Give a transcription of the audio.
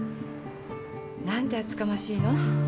何て厚かましいの。